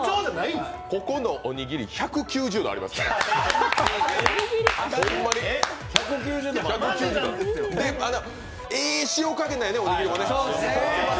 ここのおにぎり、１９０ｇありますからええ塩かげんなんよね、おにぎり。